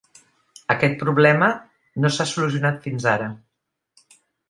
Aquest problema no s'ha solucionat fins ara.